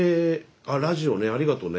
あラジオねありがとね。